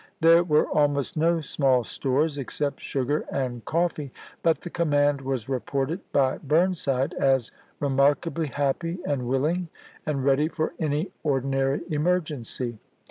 There were almost no small stores except sugar and coffee ; but the command was reported by Burnside as " remarkably happy and willing, and ready for any ordinary emergency."